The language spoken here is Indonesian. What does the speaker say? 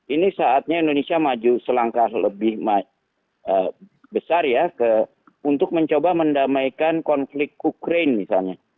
ini saatnya indonesia maju selangkah lebih besar ya untuk mencoba mendamaikan konflik ukraine misalnya